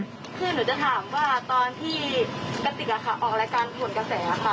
คือหนูจะถามว่าตอนที่กระติกออกรายการทวนกระแสค่ะ